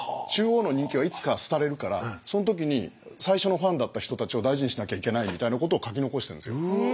中央の人気はいつか廃れるからその時に最初のファンだった人たちを大事にしなきゃいけないみたいなことを書き残しているんですよ。